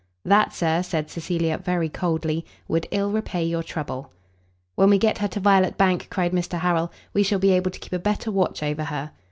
"That, Sir," said Cecilia, very coldly, "would ill repay your trouble." "When we get her to Violet Bank," cried Mr Harrel, "we shall be able to keep a better watch over her."